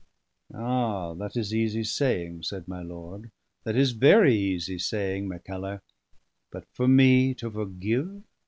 '" "Ah! that is easy saying," said my lord. "That is very easy saying, Mackellar. But for me to forgive!